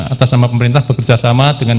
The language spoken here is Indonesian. atas nama pemerintah bekerjasama dengan